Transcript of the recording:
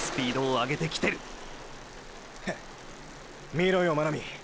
見ろよ真波！！